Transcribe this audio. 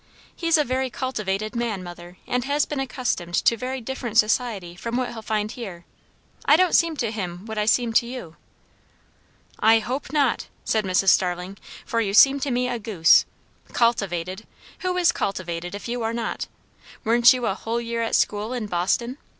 He's a very cultivated man, mother; and has been accustomed to very different society from what he'll find here. I don't seem to him what I seem to you." "I hope not!" said Mrs. Starling, "for you seem to me a goose. Cultivated! Who is cultivated, if you are not? Weren't you a whole year at school in Boston?